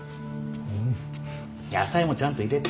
野菜もちゃんと入れて。